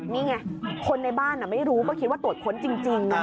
นี่ไงคนในบ้านไม่รู้ก็คิดว่าตรวจค้นจริง